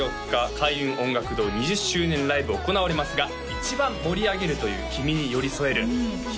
開運音楽堂２０周年ライブ行われますが一番盛り上げるというきみにＹＯＲＩＳＯＥＲＵ姫